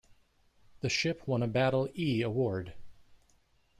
The ship won a Battle "E" award.